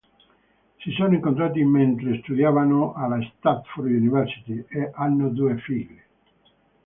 Si sono incontrati mentre studiavano alla Stanford University e hanno due figlie.